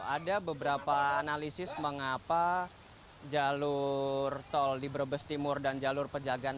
ada beberapa analisis mengapa jalur tol di brebes timur dan jalur pejagaan